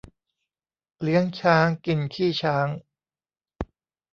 เลี้ยงช้างกินขี้ช้าง